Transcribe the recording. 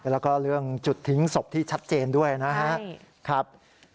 แล้วก็เรื่องจุดทิ้งศพที่ชัดเจนด้วยนะครับ